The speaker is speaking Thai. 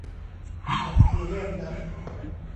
มันคือเลขนั้น